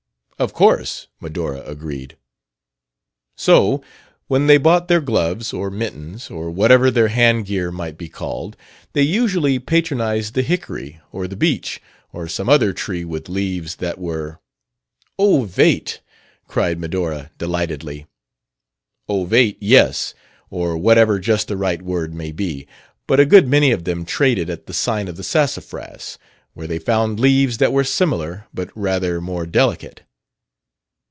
"Of course," Medora agreed. "So when they bought their gloves, or mittens, or whatever their handgear might be called, they usually patronized the hickory or the beech or some other tree with leaves that were " "Ovate!" cried Medora delightedly. "Ovate, yes; or whatever just the right word may be. But a good many of them traded at the Sign of the Sassafras, where they found leaves that were similar, but rather more delicate."